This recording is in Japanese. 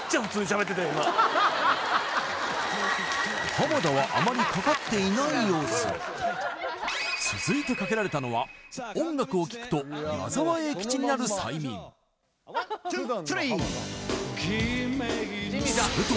浜田はあまりかかっていない様子続いてかけられたのは音楽を聴くと矢沢永吉になる催眠１２３すると